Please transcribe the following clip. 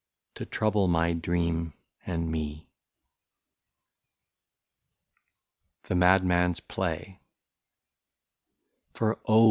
To trouble my dream and me. 6o THE MADMAN'S PLAY. For oh